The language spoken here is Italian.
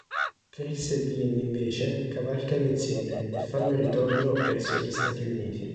Chris e Vin, invece, cavalcano insieme e fanno ritorno verso gli Stati Uniti.